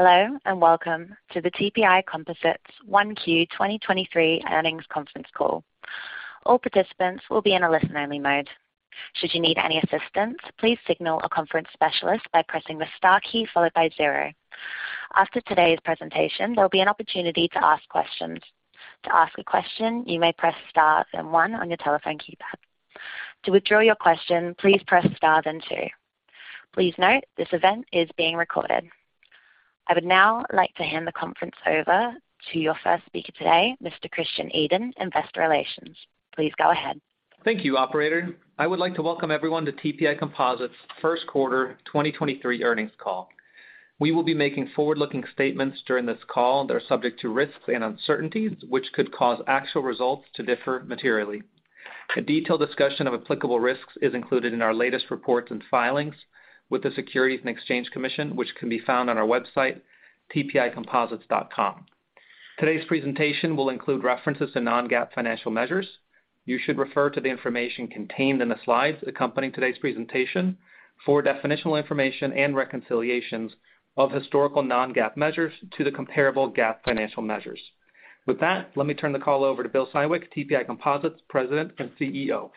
Hello. Welcome to the TPI Composites 1Q 2023 Earnings Conference Call. All participants will be in a listen-only mode. Should you need any assistance, please signal a conference specialist by pressing the star key followed by zero. After today's presentation, there'll be an opportunity to ask questions. To ask a question, you may press star then one on your telephone keypad. To withdraw your question, please press star then two. Please note, this event is being recorded. I would now like to hand the conference over to your first speaker today, Mr. Christian Edin, Investor Relations. Please go ahead. Thank you, operator. I would like to welcome everyone to TPI Composites first quarter 2023 earnings call. We will be making forward-looking statements during this call that are subject to risks and uncertainties, which could cause actual results to differ materially. A detailed discussion of applicable risks is included in our latest reports and filings with the Securities and Exchange Commission, which can be found on our website, tpicomposites.com. Today's presentation will include references to Non-GAAP financial measures. You should refer to the information contained in the slides accompanying today's presentation for definitional information and reconciliations of historical Non-GAAP measures to the comparable GAAP financial measures. With that, let me turn the call over to Bill Siwek, TPI Composites President and CEO.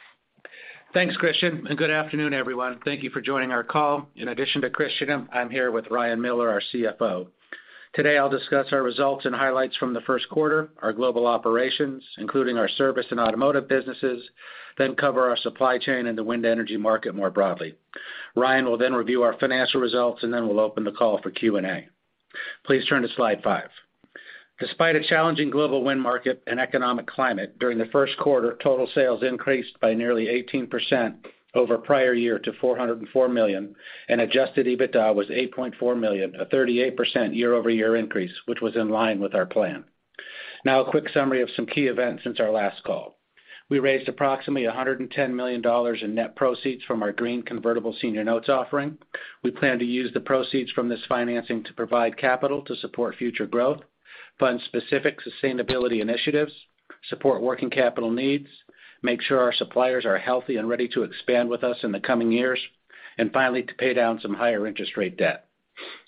Thanks, Christian. Good afternoon, everyone. Thank you for joining our call. In addition to Christian, I'm here with Ryan Miller, our CFO. Today, I'll discuss our results and highlights from the first quarter, our global operations, including our service and automotive businesses, then cover our supply chain and the wind energy market more broadly. Ryan will then review our financial results. Then we'll open the call for Q&A. Please turn to slide five. Despite a challenging global wind market and economic climate, during the first quarter, total sales increased by nearly 18% over prior year to $404 million, and adjusted EBITDA was $8.4 million, a 38% year-over-year increase, which was in line with our plan. A quick summary of some key events since our last call. We raised approximately $110 million in net proceeds from our green convertible senior notes offering. We plan to use the proceeds from this financing to provide capital to support future growth, fund specific sustainability initiatives, support working capital needs, make sure our suppliers are healthy and ready to expand with us in the coming years, and finally, to pay down some higher interest rate debt.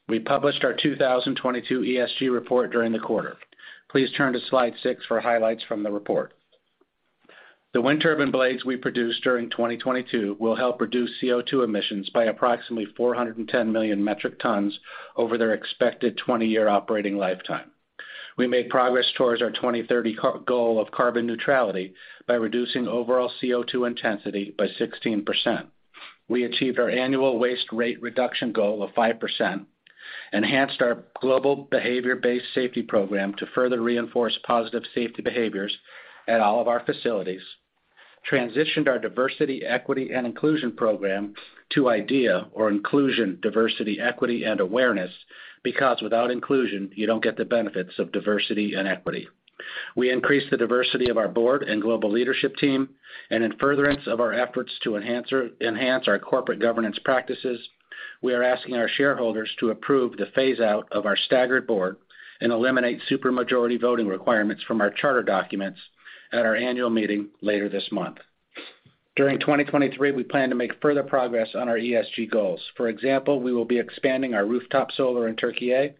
We published our 2022 ESG report during the quarter. Please turn to slide six for highlights from the report. The wind turbine blades we produced during 2022 will help reduce CO₂ emissions by approximately 410 million metric tons over their expected 20-year operating lifetime. We made progress towards our 2030 goal of carbon neutrality by reducing overall CO₂ intensity by 16%. We achieved our annual waste rate reduction goal of 5%, enhanced our global behavior-based safety program to further reinforce positive safety behaviors at all of our facilities, transitioned our diversity, equity, and inclusion program to IDEIA, or Inclusion, Diversity, Equity, and Awareness, because without inclusion, you don't get the benefits of diversity and equity. We increased the diversity of our board and global leadership team. In furtherance of our efforts to enhance our corporate governance practices, we are asking our shareholders to approve the phase out of our staggered board and eliminate supermajority voting requirements from our charter documents at our annual meeting later this month. During 2023, we plan to make further progress on our ESG goals. For example, we will be expanding our rooftop solar in Turkiye,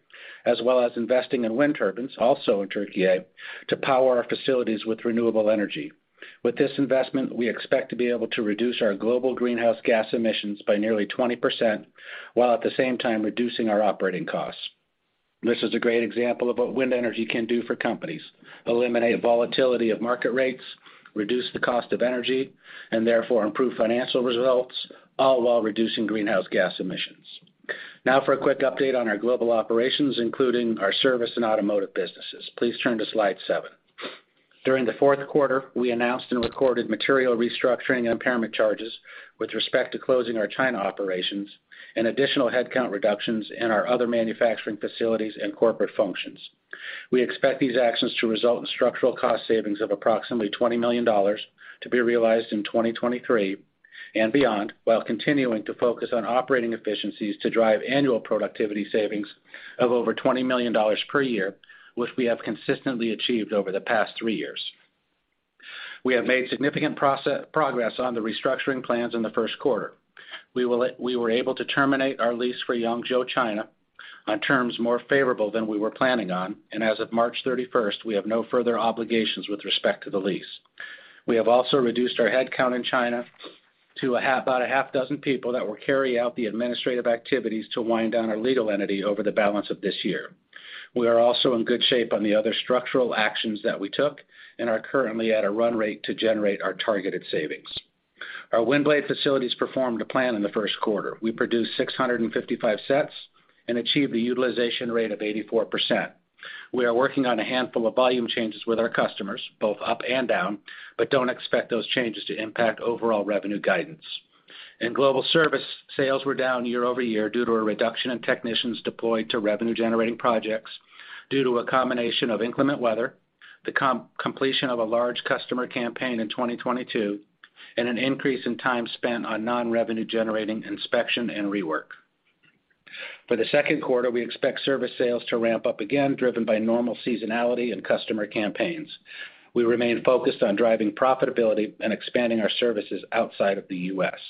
as well as investing in wind turbines, also in Turkiye, to power our facilities with renewable energy. With this investment, we expect to be able to reduce our global greenhouse gas emissions by nearly 20% while at the same time reducing our operating costs. This is a great example of what wind energy can do for companies: eliminate volatility of market rates, reduce the cost of energy, and therefore improve financial results, all while reducing greenhouse gas emissions. Now for a quick update on our global operations, including our service and automotive businesses. Please turn to slide seven. During the fourth quarter, we announced and recorded material restructuring and impairment charges with respect to closing our China operations and additional headcount reductions in our other manufacturing facilities and corporate functions. We expect these actions to result in structural cost savings of approximately $20 million to be realized in 2023 and beyond while continuing to focus on operating efficiencies to drive annual productivity savings of over $20 million per year, which we have consistently achieved over the past three years. We were able to terminate our lease for Yangzhou, China, on terms more favorable than we were planning on, and as of March 31st, we have no further obligations with respect to the lease. We have also reduced our headcount in China to about a half dozen people that will carry out the administrative activities to wind down our legal entity over the balance of this year. We are also in good shape on the other structural actions that we took and are currently at a run rate to generate our targeted savings. Our wind blade facilities performed to plan in the first quarter. We produced 655 sets and achieved a utilization rate of 84%. We are working on a handful of volume changes with our customers, both up and down, but don't expect those changes to impact overall revenue guidance. In global service, sales were down year-over-year due to a reduction in technicians deployed to revenue-generating projects due to a combination of inclement weather, the completion of a large customer campaign in 2022, and an increase in time spent on non-revenue generating inspection and rework. For the second quarter, we expect service sales to ramp up again, driven by normal seasonality and customer campaigns. We remain focused on driving profitability and expanding our services outside of the U.S.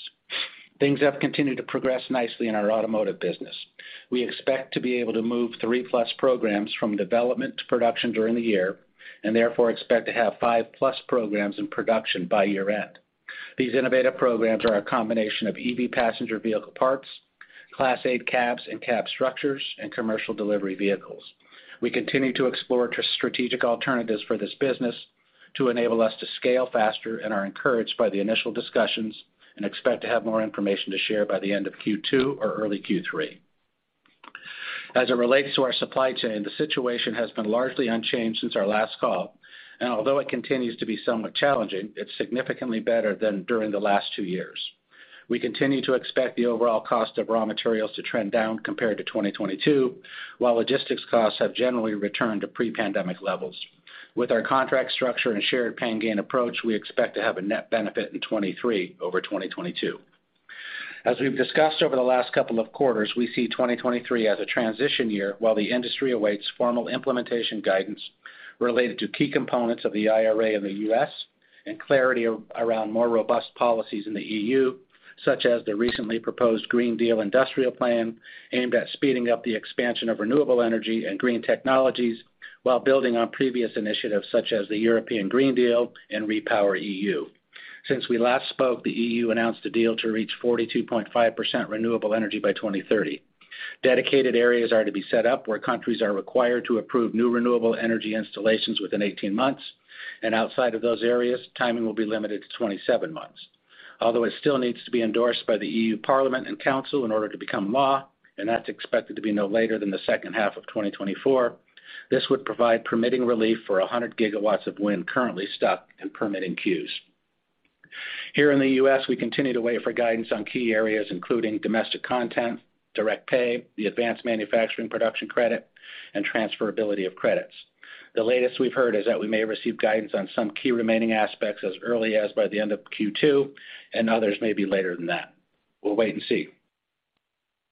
Things have continued to progress nicely in our automotive business. We expect to be able to move 3+ programs from development to production during the year, therefore expect to have 5+ programs in production by year-end. These innovative programs are a combination of EV passenger vehicle parts, Class 8 cabs and cab structures, and commercial delivery vehicles. We continue to explore strategic alternatives for this business to enable us to scale faster and are encouraged by the initial discussions and expect to have more information to share by the end of Q2 or early Q3. As it relates to our supply chain, the situation has been largely unchanged since our last call, although it continues to be somewhat challenging, it's significantly better than during the last two years. We continue to expect the overall cost of raw materials to trend down compared to 2022, while logistics costs have generally returned to pre-pandemic levels. With our contract structure and shared pain-gain approach, we expect to have a net benefit in 2023 over 2022. As we've discussed over the last couple of quarters, we see 2023 as a transition year while the industry awaits formal implementation guidance related to key components of the IRA in the U.S. and clarity around more robust policies in the EU, such as the recently proposed Green Deal Industrial Plan aimed at speeding up the expansion of renewable energy and green technologies while building on previous initiatives such as the European Green Deal and REPowerEU. Since we last spoke, the EU announced a deal to reach 42.5% renewable energy by 2030. Dedicated areas are to be set up where countries are required to approve new renewable energy installations within 18 months, and outside of those areas, timing will be limited to 27 months. Although it still needs to be endorsed by the European Parliament and Council in order to become law, and that's expected to be no later than the second half of 2024, this would provide permitting relief for 100 gigawatts of wind currently stuck in permitting queues. Here in the U.S., we continue to wait for guidance on key areas including domestic content, direct pay, the advanced manufacturing production credit, and transferability of credits. The latest we've heard is that we may receive guidance on some key remaining aspects as early as by the end of Q2. Others may be later than that. We'll wait and see.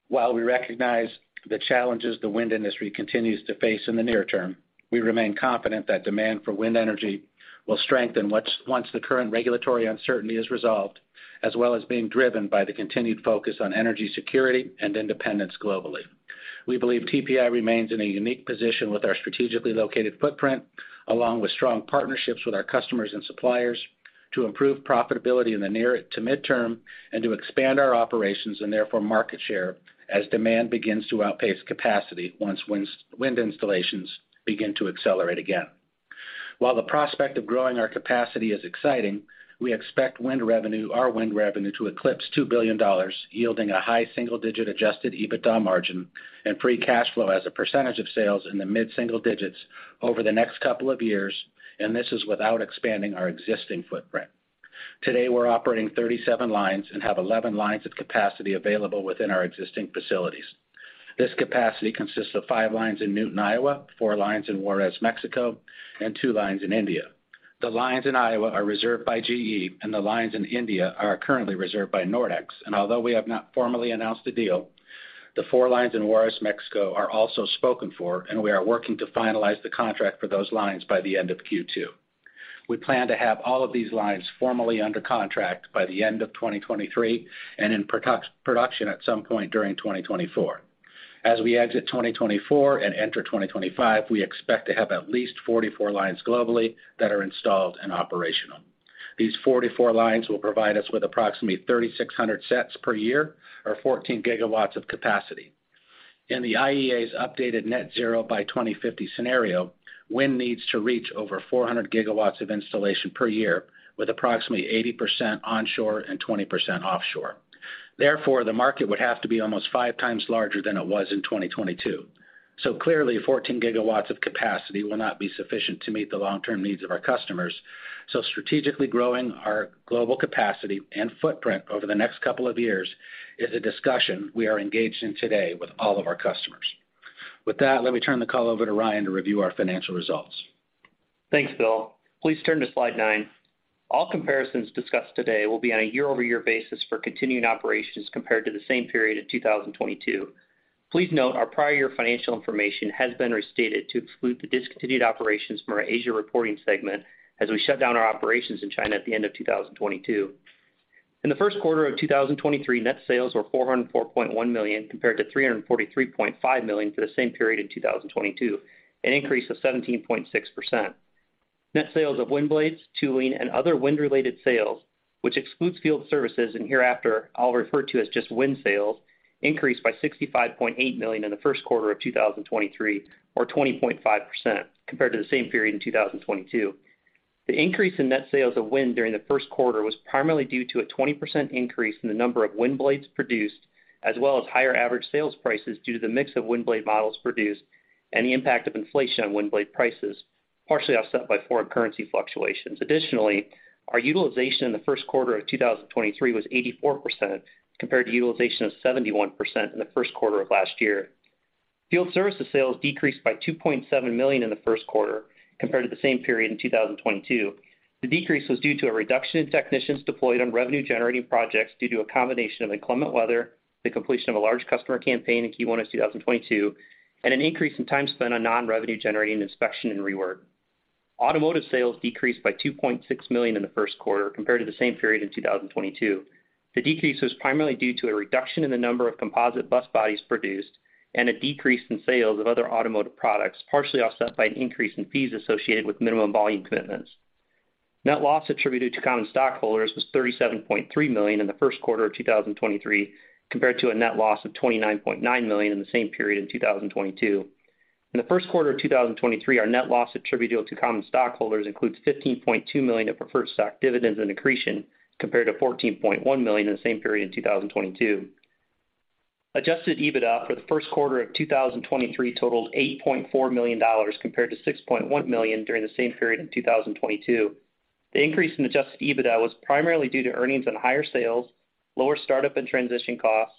While we recognize the challenges the wind industry continues to face in the near term, we remain confident that demand for wind energy will strengthen once the current regulatory uncertainty is resolved, as well as being driven by the continued focus on energy security and independence globally. We believe TPI remains in a unique position with our strategically located footprint, along with strong partnerships with our customers and suppliers to improve profitability in the near to mid-term and to expand our operations and therefore market share as demand begins to outpace capacity once wind installations begin to accelerate again. While the prospect of growing our capacity is exciting, we expect our wind revenue to eclipse $2 billion, yielding a high single-digit adjusted EBITDA margin and free cash flow as a percentage of sales in the mid-single digits over the next couple of years, and this is without expanding our existing footprint. Today, we're operating 37 lines and have 11 lines of capacity available within our existing facilities. This capacity consists of five lines in Newton, Iowa four lines in Juarez, Mexico, and two lines in India. The lines in Iowa are reserved by GE and the lines in India are currently reserved by Nordex. Although we have not formally announced a deal, the four lines in Juarez, Mexico, are also spoken for, and we are working to finalize the contract for those lines by the end of Q2. We plan to have all of these lines formally under contract by the end of 2023 and in production at some point during 2024. As we exit 2024 and enter 2025, we expect to have at least 44 lines globally that are installed and operational. These 44 lines will provide us with approximately 3,600 sets per year or 14 gigawatts of capacity. In the IEA's updated Net Zero by 2050 scenario, wind needs to reach over 400 gigawatts of installation per year with approximately 80% onshore and 20% offshore. The market would have to be almost 5x larger than it was in 2022. Clearly, 14 gigawatts of capacity will not be sufficient to meet the long-term needs of our customers. Strategically growing our global capacity and footprint over the next couple of years is a discussion we are engaged in today with all of our customers. With that, let me turn the call over to Ryan to review our financial results. Thanks, Bill. Please turn to slide nine. All comparisons discussed today will be on a year-over-year basis for continuing operations compared to the same period in 2022. Please note our prior year financial information has been restated to exclude the discontinued operations from our Asia reporting segment as we shut down our operations in China at the end of 2022. In the first quarter of 2023, net sales were $404.1 million compared to $343.5 million for the same period in 2022, an increase of 17.6%. Net sales of wind blades, tooling, and other wind-related sales, which excludes field services and hereafter I'll refer to as just wind sales, increased by $65.8 million in the first quarter of 2023 or 20.5% compared to the same period in 2022. The increase in net sales of wind during the first quarter was primarily due to a 20% increase in the number of wind blades produced, as well as higher average sales prices due to the mix of wind blade models produced and the impact of inflation on wind blade prices, partially offset by foreign currency fluctuations. Our utilization in the first quarter of 2023 was 84%, compared to utilization of 71% in the first quarter of last year. Field services sales decreased by $2.7 million in the first quarter compared to the same period in 2022. The decrease was due to a reduction in technicians deployed on revenue-generating projects due to a combination of inclement weather, the completion of a large customer campaign in Q1 of 2022, and an increase in time spent on non-revenue generating inspection and rework. Automotive sales decreased by $2.6 million in the first quarter compared to the same period in 2022. The decrease was primarily due to a reduction in the number of composite bus bodies produced and a decrease in sales of other automotive products, partially offset by an increase in fees associated with minimum volume commitments. Net loss attributed to common stockholders was $37.3 million in the first quarter of 2023, compared to a net loss of $29.9 million in the same period in 2022. In the first quarter of 2023, our net loss attributable to common stockholders includes $15.2 million of preferred stock dividends and accretion compared to $14.1 million in the same period in 2022. Adjusted EBITDA for the first quarter of 2023 totaled $8.4 million compared to $6.1 million during the same period in 2022. The increase in adjusted EBITDA was primarily due to earnings on higher sales, lower startup and transition costs,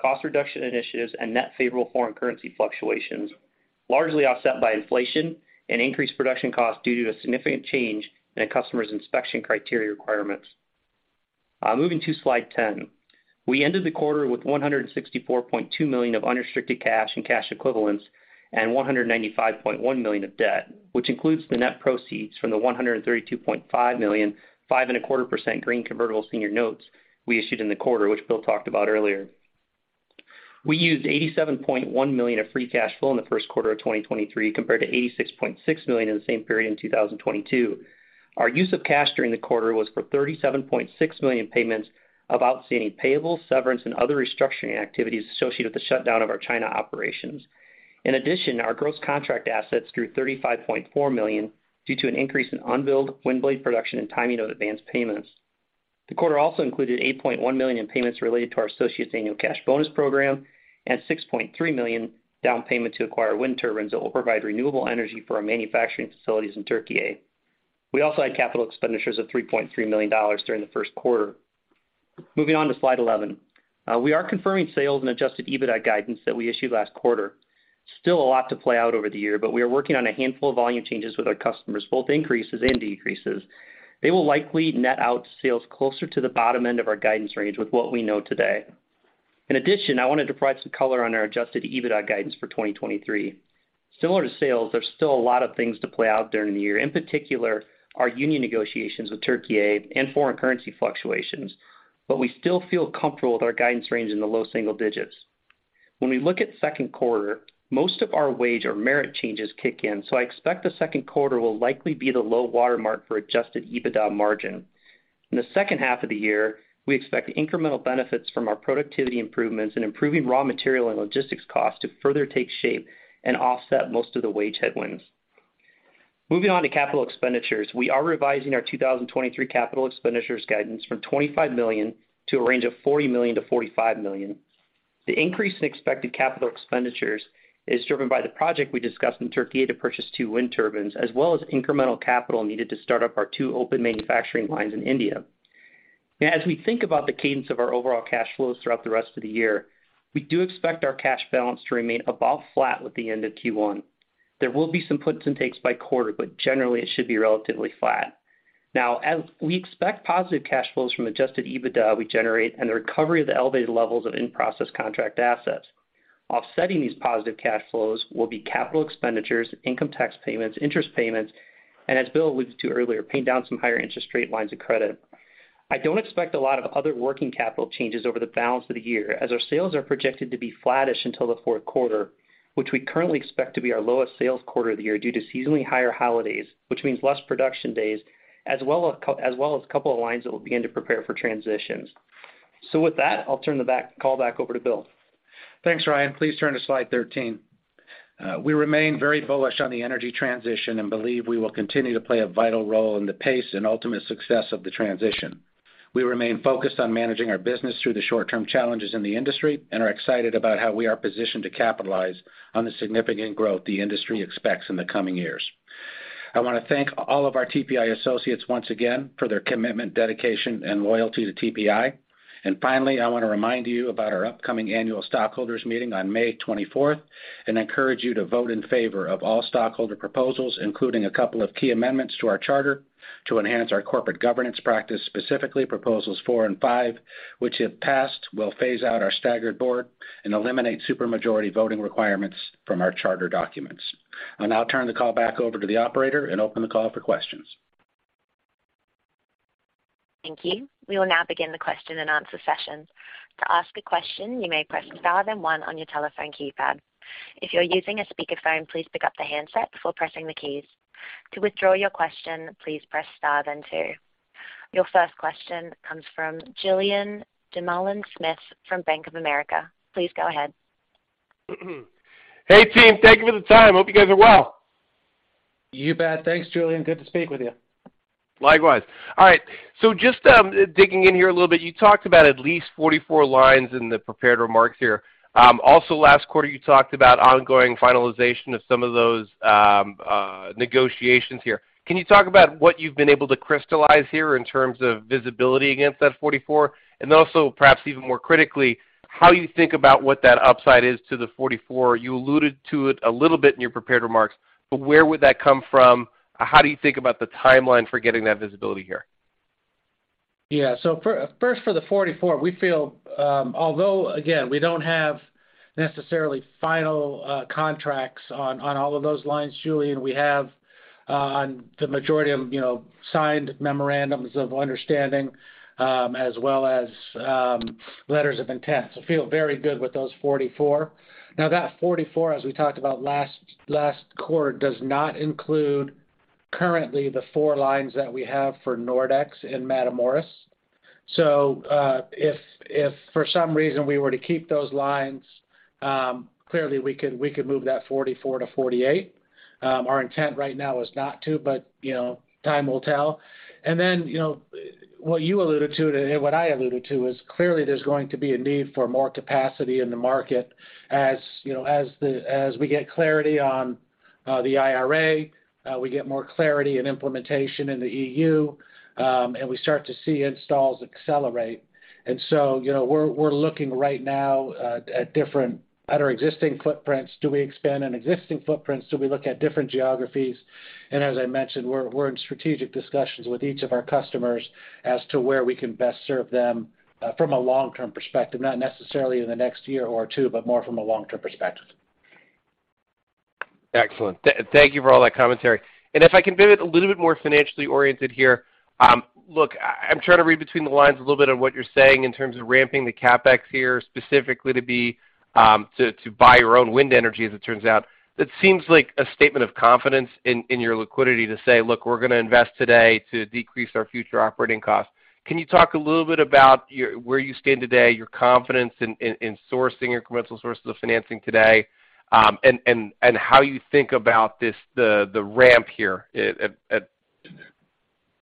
cost reduction initiatives and net favorable foreign currency fluctuations, largely offset by inflation and increased production costs due to a significant change in a customer's inspection criteria requirements. Moving to Slide 10. We ended the quarter with $164.2 million of unrestricted cash and cash equivalents and $195.1 million of debt, which includes the net proceeds from the $132.5 million, 5.25% green convertible senior notes we issued in the quarter, which Bill talked about earlier. We used $87.1 million of free cash flow in the first quarter of 2023 compared to $86.6 million in the same period in 2022. Our use of cash during the quarter was for $37.6 million payments of outstanding payables, severance, and other restructuring activities associated with the shutdown of our China operations. Our gross contract assets drew $35.4 million due to an increase in unbilled wind blade production and timing of advanced payments. The quarter also included $8.1 million in payments related to our associates annual cash bonus program and $6.3 million down payment to acquire wind turbines that will provide renewable energy for our manufacturing facilities in Turkiye. We also had capital expenditures of $3.3 million during the first quarter. Moving on to Slide 11. We are confirming sales and adjusted EBITDA guidance that we issued last quarter. Still a lot to play out over the year, but we are working on a handful of volume changes with our customers, both increases and decreases. They will likely net out sales closer to the bottom end of our guidance range with what we know today. In addition, I wanted to provide some color on our adjusted EBITDA guidance for 2023. Similar to sales, there's still a lot of things to play out during the year, in particular our union negotiations with Turkiye and foreign currency fluctuations. We still feel comfortable with our guidance range in the low single digits. When we look at second quarter, most of our wage or merit changes kick in, so I expect the second quarter will likely be the low water mark for adjusted EBITDA margin. In the second half of the year, we expect incremental benefits from our productivity improvements and improving raw material and logistics costs to further take shape and offset most of the wage headwinds. Moving on to CapEx. We are revising our 2023 CapEx guidance from $25 million to a range of $40 million-$45 million. The increase in expected CapEx is driven by the project we discussed in Turkiye to purchase two wind turbines, as well as incremental capital needed to start up our two open manufacturing lines in India. As we think about the cadence of our overall cash flows throughout the rest of the year, we do expect our cash balance to remain about flat with the end of Q1. There will be some puts and takes by quarter, but generally it should be relatively flat. Now, as we expect positive cash flows from adjusted EBITDA we generate and the recovery of the elevated levels of in-process contract assets. Offsetting these positive cash flows will be capital expenditures, income tax payments, interest payments, and as Bill alluded to earlier, paying down some higher interest rate lines of credit. I don't expect a lot of other working capital changes over the balance of the year as our sales are projected to be flattish until the fourth quarter, which we currently expect to be our lowest sales quarter of the year due to seasonally higher holidays, which means less production days as well as a couple of lines that will begin to prepare for transitions. With that, I'll turn the call back over to Bill. Thanks, Ryan. Please turn to slide 13. We remain very bullish on the energy transition and believe we will continue to play a vital role in the pace and ultimate success of the transition. We remain focused on managing our business through the short-term challenges in the industry and are excited about how we are positioned to capitalize on the significant growth the industry expects in the coming years. I want to thank all of our TPI associates once again for their commitment, dedication, and loyalty to TPI. Finally, I want to remind you about our upcoming annual stockholders meeting on May 24th and encourage you to vote in favor of all stockholder proposals, including a couple of key amendments to our charter to enhance our corporate governance practice, specifically proposal 4 and proposal 5, which, if passed, will phase out our staggered board and eliminate super majority voting requirements from our charter documents. I'll now turn the call back over to the operator and open the call for questions. Thank you. We will now begin the question and answer session. To ask a question, you may press Star then One on your telephone keypad. If you're using a speakerphone, please pick up the handset before pressing the keys. To withdraw your question, please press Star then Two. Your first question comes from Julien Dumoulin-Smith from Bank of America. Please go ahead. Hey, team. Thank you for the time. Hope you guys are well. You bet. Thanks, Julien. Good to speak with you. Likewise. All right. Just digging in here a little bit, you talked about at least 44 lines in the prepared remarks here. Last quarter, you talked about ongoing finalization of some of those negotiations here. Can you talk about what you've been able to crystallize here in terms of visibility against that 44 lines? Then also perhaps even more critically, how you think about what that upside is to the 44 lines? You alluded to it a little bit in your prepared remarks, but where would that come from? How do you think about the timeline for getting that visibility here? First for the 44 lines, we feel, although again, we don't have necessarily final contracts on all of those lines, Julien, we have the majority of, you know, signed memorandums of understanding, as well as letters of intent. Feel very good with those 44 lines. That 44 lines, as we talked about last quarter, does not include currently the 4 lines that we have for Nordex and Matamoros. If for some reason we were to keep those lines, clearly we could move that 44 lines-48 lines. Our intent right now is not to, but, you know, time will tell. What you alluded to, and what I alluded to is clearly there's going to be a need for more capacity in the market. As, you know, as we get clarity on the IRA, we get more clarity and implementation in the EU, and we start to see installs accelerate. You know, we're looking right now at our existing footprints. Do we expand on existing footprints? Do we look at different geographies? As I mentioned, we're in strategic discussions with each of our customers as to where we can best serve them from a long-term perspective, not necessarily in the next year or two, but more from a long-term perspective. Excellent. Thank you for all that commentary. If I can be a bit, a little bit more financially oriented here, look, I'm trying to read between the lines a little bit on what you're saying in terms of ramping the CapEx here specifically to be to buy your own wind energy, as it turns out. It seems like a statement of confidence in your liquidity to say, "Look, we're gonna invest today to decrease our future operating costs." Can you talk a little bit about your where you stand today, your confidence in sourcing incremental sources of financing today, and how you think about this the ramp here at...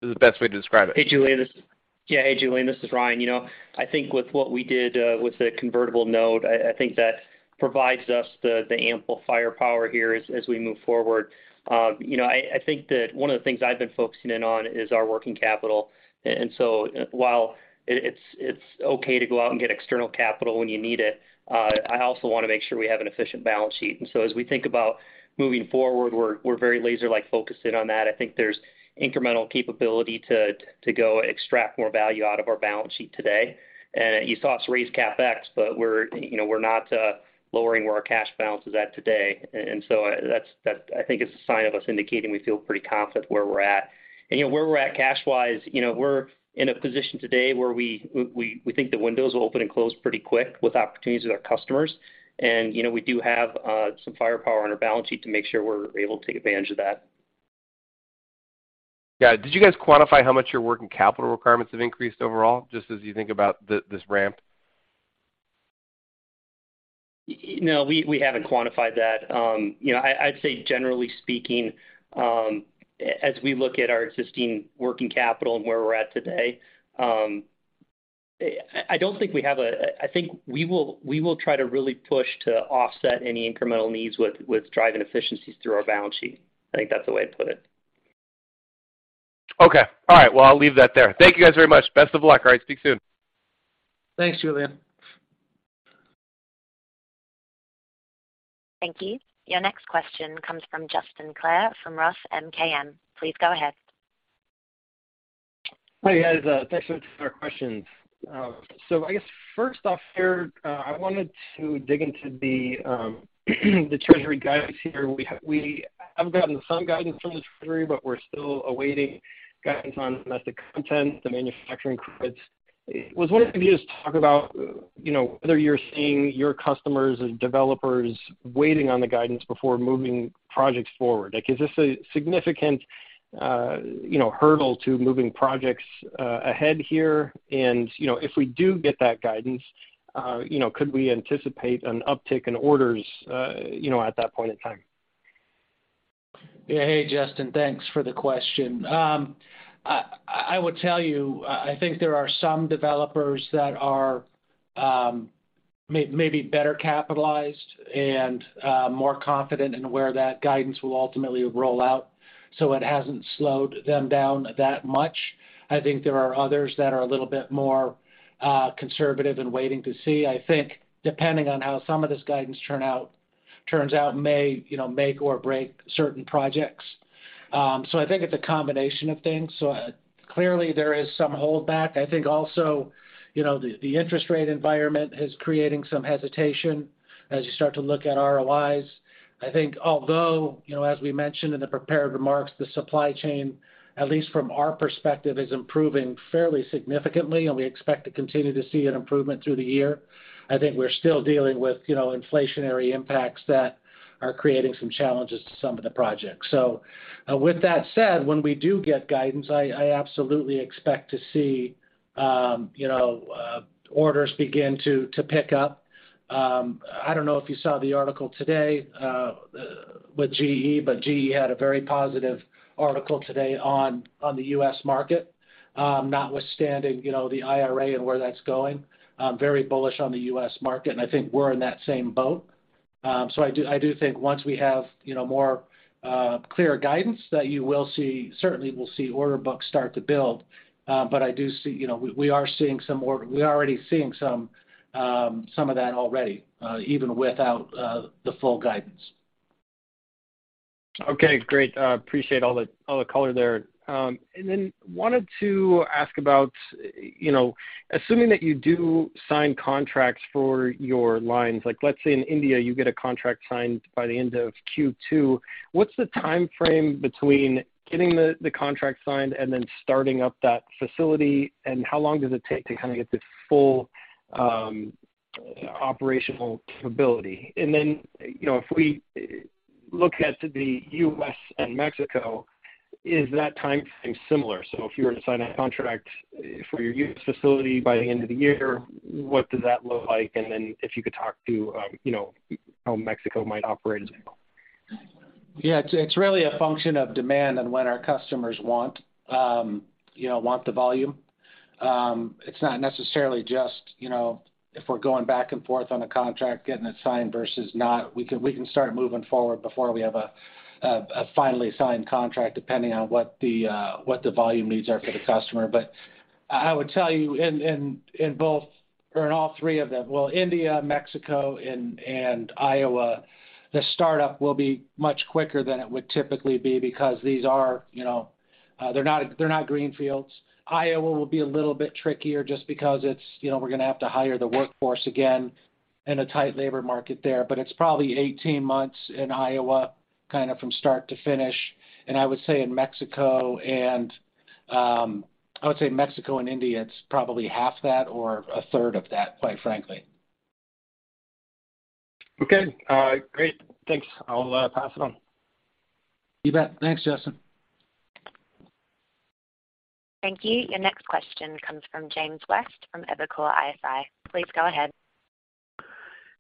The best way to describe it? Hey, Julien, this is. Hey, Julien, this is Ryan. You know, I think with what we did with the convertible note, I think that provides us the ample firepower here as we move forward. You know, I think that one of the things I've been focusing in on is our working capital. While it's okay to go out and get external capital when you need it, I also wanna make sure we have an efficient balance sheet. As we think about moving forward, we're very laser-like focused in on that. I think there's incremental capability to go extract more value out of our balance sheet today. You saw us raise CapEx, but we're, you know, we're not lowering where our cash balance is at today. That, I think, is a sign of us indicating we feel pretty confident where we're at. You know, where we're at cash-wise, you know, we're in a position today where we think the windows will open and close pretty quick with opportunities with our customers. You know, we do have some firepower on our balance sheet to make sure we're able to take advantage of that. Did you guys quantify how much your working capital requirements have increased overall, just as you think about this ramp? No, we haven't quantified that. You know, I'd say generally speaking, as we look at our existing working capital and where we're at today, I think we will try to really push to offset any incremental needs with driving efficiencies through our balance sheet. I think that's the way to put it. Okay. All right. Well, I'll leave that there. Thank you guys very much. Best of luck. All right, speak soon. Thanks, Julian. Thank you. Your next question comes from Justin Clare from ROTH MKM. Please go ahead. Hi, guys. Thanks for taking our questions. I guess first off here, I wanted to dig into the treasury guidance here. We have gotten some guidance from the treasury, but we're still awaiting guidance on domestic content, the manufacturing credits. Was wondering if you could just talk about, you know, whether you're seeing your customers and developers waiting on the guidance before moving projects forward. Like, is this a significant, you know, hurdle to moving projects ahead here? If we do get that guidance, you know, could we anticipate an uptick in orders, you know, at that point in time? Hey, Justin. Thanks for the question. I would tell you, I think there are some developers that are maybe better capitalized and more confident in where that guidance will ultimately roll out, so it hasn't slowed them down that much. I think there are others that are a little bit more conservative and waiting to see. I think depending on how some of this guidance turns out may, you know, make or break certain projects. I think it's a combination of things. Clearly there is some holdback. I think also, you know, the interest rate environment is creating some hesitation as you start to look at ROIs. I think although, you know, as we mentioned in the prepared remarks, the supply chain, at least from our perspective, is improving fairly significantly, and we expect to continue to see an improvement through the year. I think we're still dealing with, you know, inflationary impacts that are creating some challenges to some of the projects. With that said, when we do get guidance, I absolutely expect to see, you know, orders begin to pick up. I don't know if you saw the article today with GE, but GE had a very positive article today on the US market, notwithstanding, you know, the IRA and where that's going. Very bullish on the US market, I think we're in that same boat. I do think once we have, you know, more clear guidance that certainly we'll see order books start to build. I do see, you know, we are already seeing some of that already, even without the full guidance. Okay, great. appreciate all the, all the color there. Wanted to ask about, you know, assuming that you do sign contracts for your lines, like let's say in India you get a contract signed by the end of Q2, what's the timeframe between getting the contract signed and then starting up that facility? And how long does it take to kind of get to full operational capability? You know, if we look at the US and Mexico, is that timeframe similar? If you were to sign a contract for your US facility by the end of the year, what does that look like? If you could talk to, you know, how Mexico might operate as well. It's, it's really a function of demand and when our customers want, you know, want the volume. It's not necessarily just, you know, if we're going back and forth on a contract, getting it signed versus not. We can start moving forward before we have a finally signed contract, depending on what the volume needs are for the customer. I would tell you in both or in all three of them, well, India, Mexico and Iowa, the startup will be much quicker than it would typically be because these are, you know, they're not green fields. Iowa will be a little bit trickier just because it's, you know, we're gonna have to hire the workforce again in a tight labor market there. It's probably 18 months in Iowa, kind of from start to finish. I would say in Mexico and India, it's probably half that or a third of that, quite frankly. Okay. great. Thanks. I'll pass it on. You bet. Thanks, Justin. Thank you. Your next question comes from James West from Evercore ISI. Please go ahead.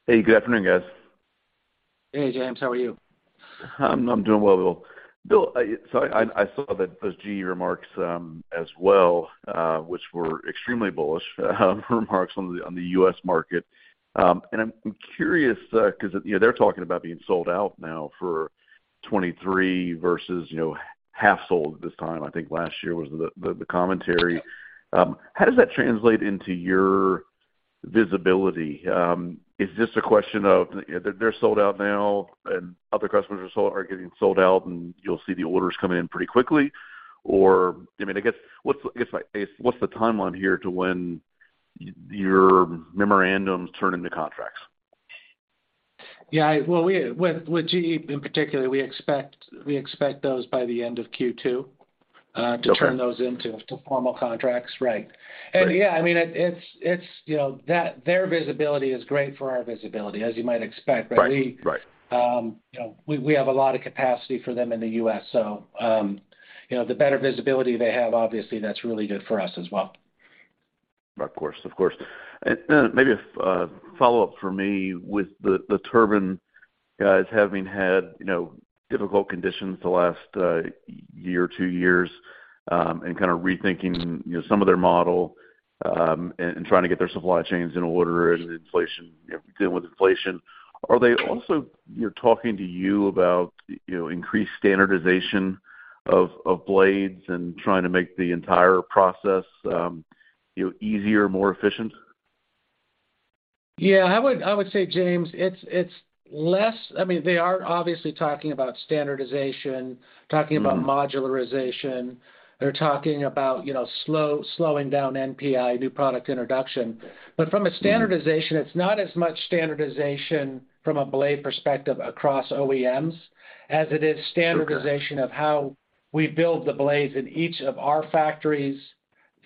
Hey, good afternoon, guys. Hey, James. How are you? I'm doing well, Bill. Bill, I saw that those GE remarks as well, which were extremely bullish remarks on the U.S. market. And I'm curious, 'cause, you know, they're talking about being sold out now for 2023 versus, you know, half sold this time. I think last year was the commentary. How does that translate into your visibility? Is this a question of they're sold out now and other customers are getting sold out, and you'll see the orders come in pretty quickly? Or, I mean, I guess what's the timeline here to when your memorandums turn into contracts? Yeah. Well, with GE in particular, we expect those by the end of Q2. Okay to turn those into formal contracts. Right. Right. Yeah, I mean, it's, it's, you know, their visibility is great for our visibility, as you might expect, right? Right. Right. You know, we have a lot of capacity for them in the U.S., so, you know, the better visibility they have, obviously that's really good for us as well. Of course, of course. Then maybe a follow-up for me with the turbine guys having had, you know, difficult conditions the last year or two years, and kind of rethinking, you know, some of their model, and trying to get their supply chains in order and inflation, you know, dealing with inflation. Are they also, you know, talking to you about, you know, increased standardization of blades and trying to make the entire process, you know, easier, more efficient? Yeah. I would say, James, it's less. I mean, they are obviously talking about standardization. Mm-hmm... talking about modularization. They're talking about, you know, slowing down NPI, new product introduction. From a standardization, it's not as much standardization from a blade perspective across OEMs as it is... Okay... standardization of how we build the blades in each of our factories,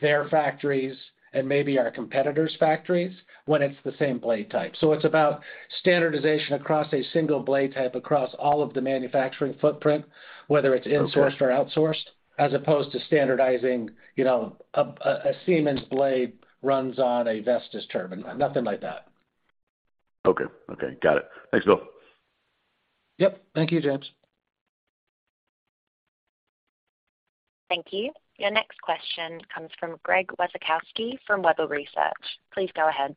their factories and maybe our competitors' factories when it's the same blade type. It's about standardization across a single blade type across all of the manufacturing footprint, whether it's in. Okay... sourced or outsourced, as opposed to standardizing, you know, a Siemens blade runs on a Vestas turbine. Nothing like that. Okay. Okay, got it. Thanks, Bill. Yep. Thank you, James. Thank you. Your next question comes from Greg Wasikowski from Webber Research. Please go ahead.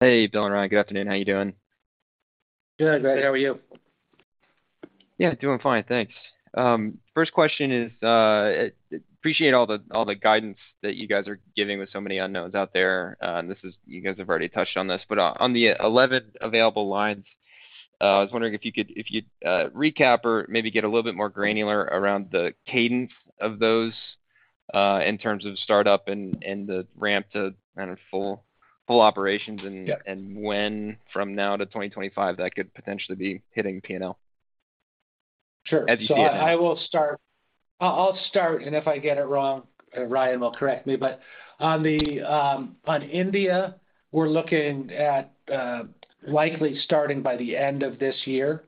Hey, Bill and Ryan. Good afternoon. How are you doing? Good, Greg. How are you? Yeah, doing fine. Thanks. First question is, appreciate all the guidance that you guys are giving with so many unknowns out there. You guys have already touched on this, but on the 11 available lines, I was wondering if you'd recap or maybe get a little bit more granular around the cadence of those, in terms of startup and the ramp to kind of full operations and... Yeah When from now to 2025 that could potentially be hitting P&L. Sure. As you see it now. I will start. I'll start, and if I get it wrong, Ryan will correct me. On India, we're looking at likely starting by the end of this year,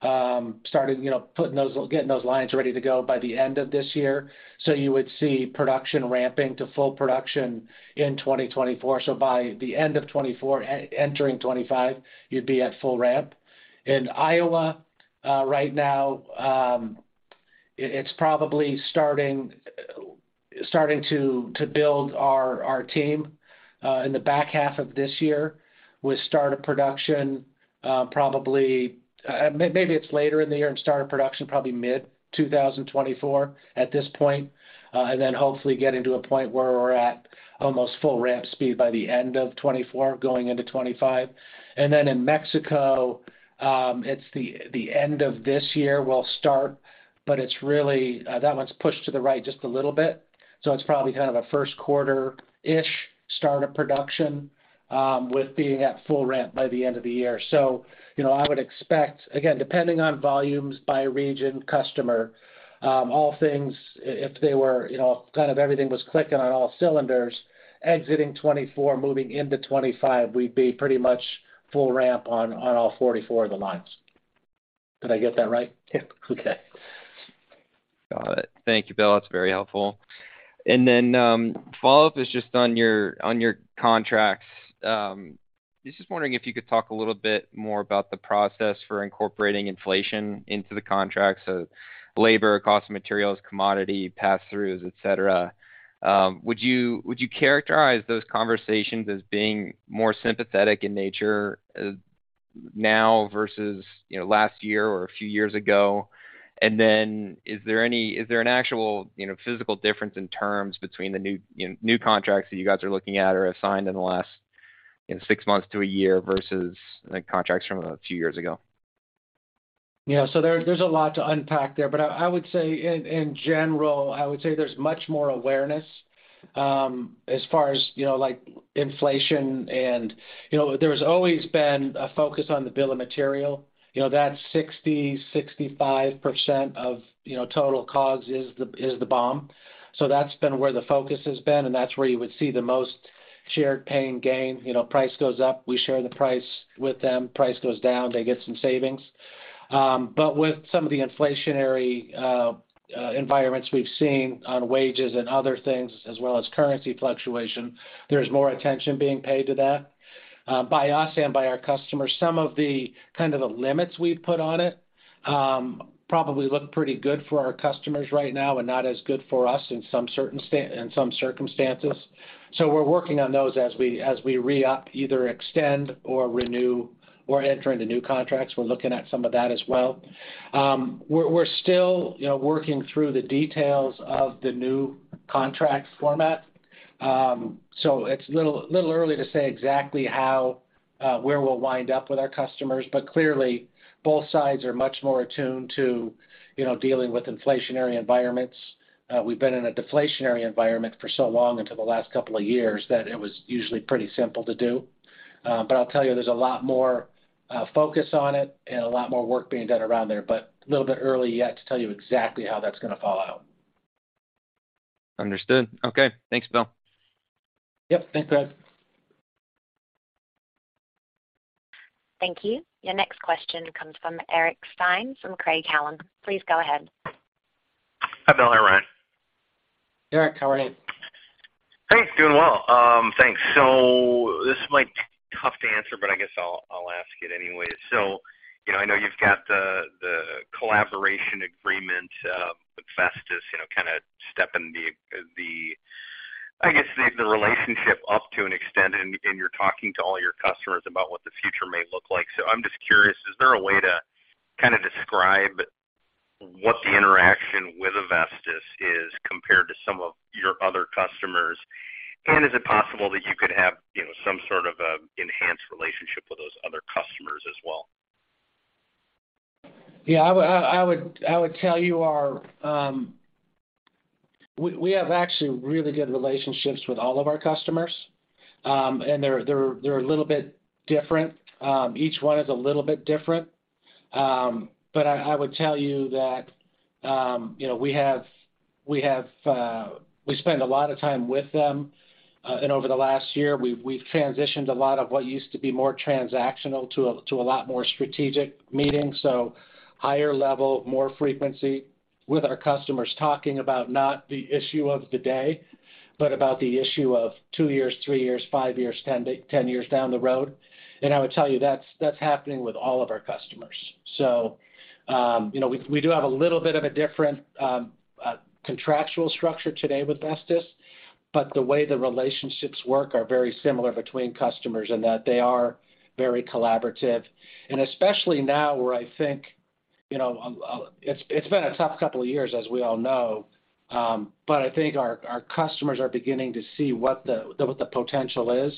starting, you know, getting those lines ready to go by the end of this year. You would see production ramping to full production in 2024. By the end of 2024, entering 2025, you'd be at full ramp. In Iowa, right now, it's probably starting to build our team in the back half of this year, with start of production. Probably, maybe it's later in the year and start production probably mid-2024 at this point, and then hopefully getting to a point where we're at almost full ramp speed by the end of 2024 going into 2025. In Mexico, it's the end of this year we'll start. It's really that one's pushed to the right just a little bit, so it's probably kind of a first quarter-ish start of production, with being at full ramp by the end of the year. You know, I would expect. Again, depending on volumes by region, customer, all things, if they were, you know, kind of everything was clicking on all cylinders, exiting 2024, moving into 2025, we'd be pretty much full ramp on all 44 of the lines. Did I get that right? Yeah. Okay. Got it. Thank you, Bill. That's very helpful. Follow-up is just on your, on your contracts. Was just wondering if you could talk a little bit more about the process for incorporating inflation into the contracts, so labor, cost of materials, commodity, pass-throughs, et cetera. Would you characterize those conversations as being more sympathetic in nature now versus, you know, last year or a few years ago? Is there an actual, you know, physical difference in terms between the new, you know, new contracts that you guys are looking at or have signed in the last, you know, six months to a year versus, like, contracts from a few years ago? Yeah. There, there's a lot to unpack there, but I would say in general, I would say there's much more awareness, as far as, you know, like inflation and... You know, there's always been a focus on the bill of material. You know, that's 60%-65% of, you know, total cost is the, is the BOM. That's been where the focus has been, and that's where you would see the most shared pain-gain. You know, price goes up, we share the price with them. Price goes down, they get some savings. With some of the inflationary environments we've seen on wages and other things, as well as currency fluctuation, there's more attention being paid to that by us and by our customers. Some of the kind of the limits we've put on it, probably look pretty good for our customers right now and not as good for us in some certain in some circumstances. We're working on those as we re-up, either extend or renew or enter into new contracts. We're looking at some of that as well. We're still, you know, working through the details of the new contract format. It's little early to say exactly how, where we'll wind up with our customers. Clearly, both sides are much more attuned to, you know, dealing with inflationary environments. We've been in a deflationary environment for so long until the last couple of years that it was usually pretty simple to do. I'll tell you, there's a lot more focus on it and a lot more work being done around there. A little bit early yet to tell you exactly how that's gonna fall out. Understood. Okay. Thanks, Bill. Yep. Thanks, Brad. Thank you. Your next question comes from Eric Stine from Craig-Hallum. Please go ahead. Hi, Bill and Ryan. Eric, how are you? Hey. Doing well. thanks. This might be tough to answer, but I guess I'll ask it anyway. You know, I know you've got the collaboration agreement, with Vestas, you know, kinda stepping the relationship up to an extent, and you're talking to all your customers about what the future may look like. I'm just curious, is there a way to kinda describe what the interaction with Vestas is compared to some of your other customers? And is it possible that you could have, you know, some sort of a enhanced relationship with those other customers as well? Yeah. I would tell you our. We have actually really good relationships with all of our customers. They're a little bit different. Each one is a little bit different. I would tell you that, you know, we have, we spend a lot of time with them. Over the last year, we've transitioned a lot of what used to be more transactional to a lot more strategic meetings. Higher level, more frequency with our customers, talking about not the issue of the day, but about the issue of two years, three years, five years, 10 years down the road. I would tell you that's happening with all of our customers. you know, we do have a little bit of a different contractual structure today with Vestas, but the way the relationships work are very similar between customers in that they are very collaborative. Especially now where I think, you know, It's, it's been a tough couple of years, as we all know, but I think our customers are beginning to see what the, what the potential is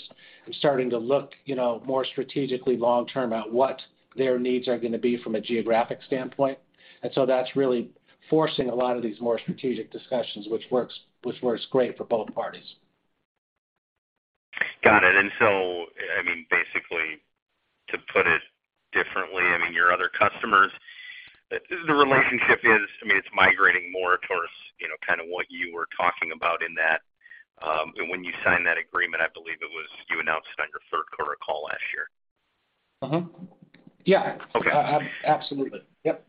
and starting to look, you know, more strategically long term at what their needs are gonna be from a geographic standpoint. That's really forcing a lot of these more strategic discussions, which works great for both parties. Got it. I mean, basically, to put it differently, I mean, your other customers, the relationship is, I mean, it's migrating more towards, you know, kinda what you were talking about in that, and when you signed that agreement, I believe it was you announced it on your third quarter call last year. Mm-hmm. Yeah. Okay. Absolutely. Yep.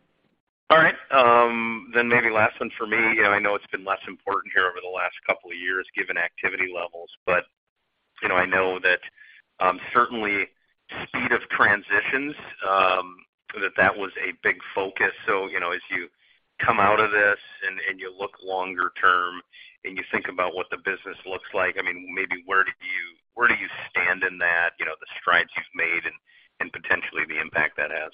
All right. Maybe last one for me. You know, I know it's been less important here over the last couple of years given activity levels, but, you know, I know that, certainly speed of transitions. That was a big focus. You know, as you come out of this and you look longer term and you think about what the business looks like, I mean maybe where do you stand in that, you know, the strides you've made and potentially the impact that has?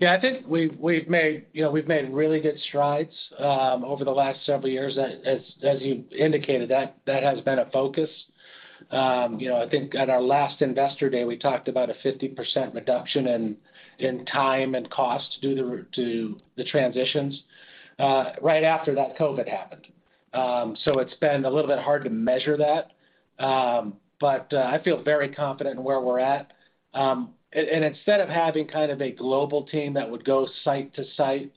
Yeah. I think we've made, you know, really good strides over the last several years. As you indicated, that has been a focus. You know, I think at our last Investor Day, we talked about a 50% reduction in time and cost due to the transitions. Right after that, COVID happened. It's been a little bit hard to measure that. I feel very confident in where we're at. Instead of having kind of a global team that would go site to site,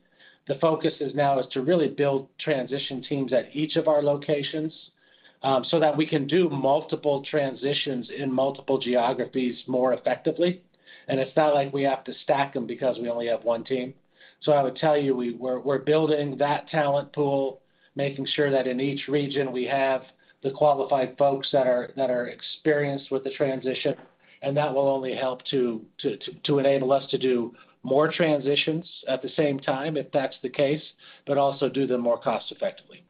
the focus is now to really build transition teams at each of our locations so that we can do multiple transitions in multiple geographies more effectively. It's not like we have to stack them because we only have one team. I would tell you, we're building that talent pool, making sure that in each region we have the qualified folks that are experienced with the transition, and that will only help to enable us to do more transitions at the same time, if that's the case, but also do them more cost effectively.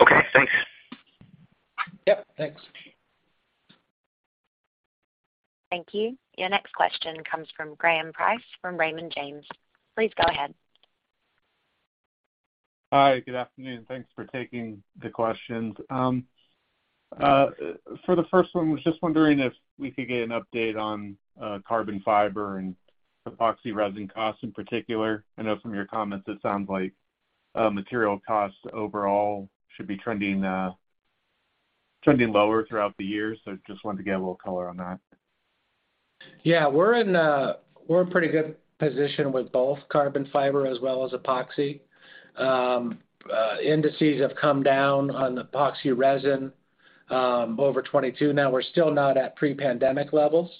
Okay, thanks. Yep, thanks. Thank you. Your next question comes from Graham Price, from Raymond James. Please go ahead. Hi. Good afternoon. Thanks for taking the questions. For the first one, was just wondering if we could get an update on carbon fiber and epoxy resin costs in particular. I know from your comments it sounds like material costs overall should be trending lower throughout the year. Just wanted to get a little color on that. Yeah. We're in a pretty good position with both carbon fiber as well as epoxy. Indices have come down on epoxy resin over 2022. Now, we're still not at pre-pandemic levels,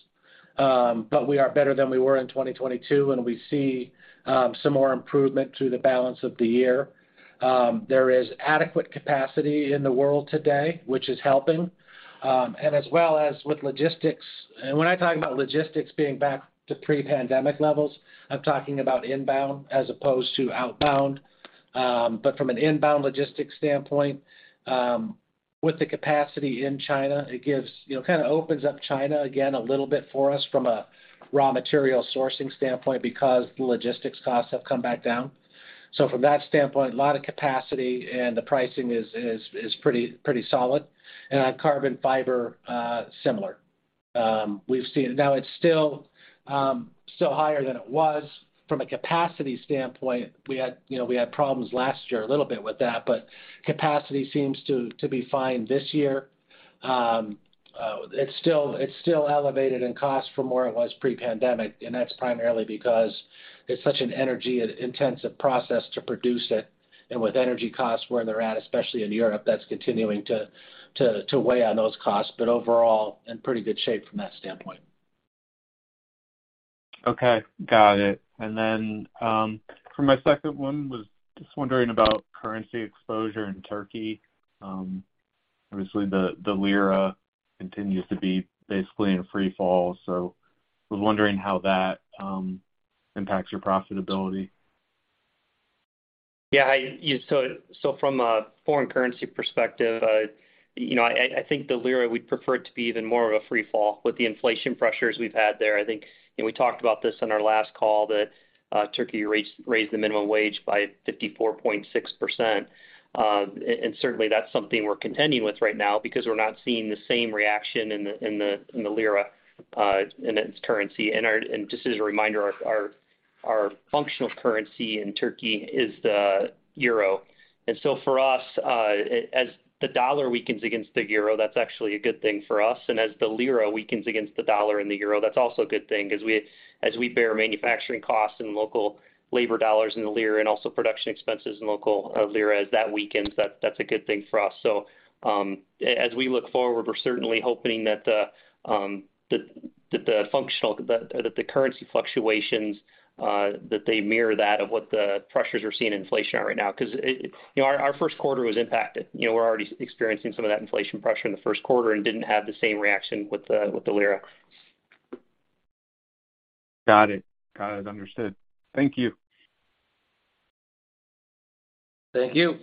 but we are better than we were in 2022, and we see some more improvement through the balance of the year. There is adequate capacity in the world today, which is helping. As well as with logistics. When I talk about logistics being back to pre-pandemic levels, I'm talking about inbound as opposed to outbound. From an inbound logistics standpoint, with the capacity in China, it gives... You know, kinda opens up China again a little bit for us from a raw material sourcing standpoint because the logistics costs have come back down. From that standpoint, a lot of capacity and the pricing is pretty solid. On carbon fiber, similar. We've seen. Now, it's still higher than it was from a capacity standpoint. We had, you know, problems last year a little bit with that, but capacity seems to be fine this year. It's still elevated in cost from where it was pre-pandemic, and that's primarily because it's such an energy-intensive process to produce it. With energy costs where they're at, especially in Europe, that's continuing to weigh on those costs. Overall, in pretty good shape from that standpoint. Okay, got it. For my second one, was just wondering about currency exposure in Turkey. Obviously the lira continues to be basically in a free fall. Was wondering how that impacts your profitability. Yeah. From a foreign currency perspective, you know, I think the lira, we'd prefer it to be even more of a free fall with the inflation pressures we've had there. I think, you know, we talked about this on our last call, that Turkey raised the minimum wage by 54.6%. And certainly that's something we're contending with right now because we're not seeing the same reaction in the lira, in its currency. Just as a reminder, our functional currency in Turkey is the euro. For us, as the dollar weakens against the euro, that's actually a good thing for us. As the lira weakens against the dollar and the euro, that's also a good thing 'cause as we bear manufacturing costs and local labor dollars in the lira and also production expenses in local lira, as that weakens, that's a good thing for us. As we look forward, we're certainly hoping that the currency fluctuations that they mirror that of what the pressures we're seeing in inflation are right now. You know, our first quarter was impacted. You know, we're already experiencing some of that inflation pressure in the first quarter and didn't have the same reaction with the lira. Got it. Got it. Understood. Thank you. Thank you.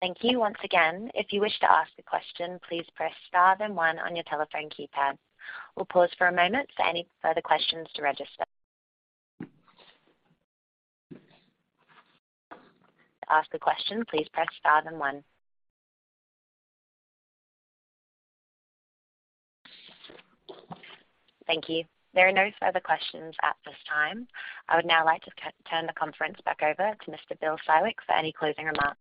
Thank you once again. If you wish to ask a question, please press star then one on your telephone keypad. We'll pause for a moment for any further questions to register. To ask a question, please press star then one. Thank you. There are no further questions at this time. I would now like to turn the conference back over to Mr. Bill Siwek for any closing remarks.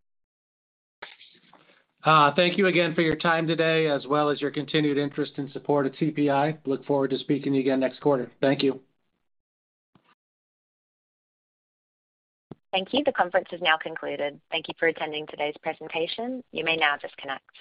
Thank you again for your time today as well as your continued interest and support of TPI. Look forward to speaking to you again next quarter. Thank you. Thank you. The conference is now concluded. Thank you for attending today's presentation. You may now disconnect.